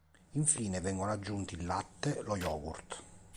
Infine vengono aggiunti il latte, lo yogurt.